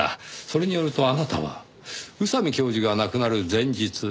それによるとあなたは宇佐美教授が亡くなる前日。